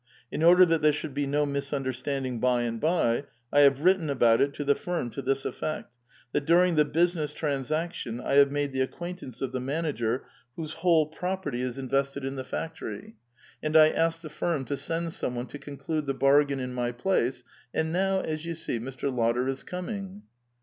In order that there should be no misunderstanding b3' and by, I have written about it to the firm to this effect : that during the business transaction I have made the acquaintance of the manager whose whole property is invested in the factor} , s Literally, to be a noble (jdvoryanin). 432 A VITAL QUESTION. and I asked the fiiin to send some one to conclude the bargain in my place, and now, as you see, Mr. Lotter is coming."